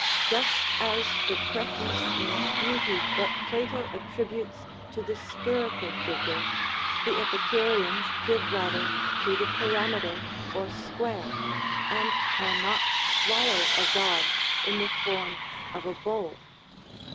Just as the preference in beauty that Plato attributes to the spherical figure the Epicureans gave rather to the pyramidal or square, and cannot swallow a god in the form of a bowl.